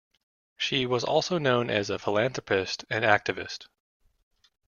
She was also known as a philanthropist and activist.